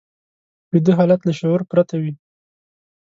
ویده حالت له شعور پرته وي